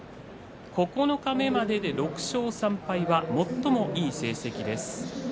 九日目までで６勝３敗は最もいい成績です。